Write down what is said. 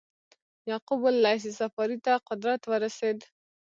یعقوب اللیث صفاري ته قدرت ورسېد.